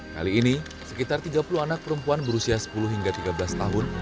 kali ini sekitar tiga puluh anak perempuan berusia sepuluh hingga tiga belas tahun